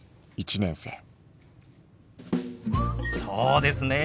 そうですね。